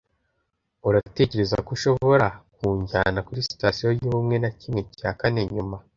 Uratekereza ko ushobora kunjyana kuri Sitasiyo yubumwe na kimwe cya kane nyuma?